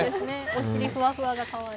お尻ふわふわがかわいい。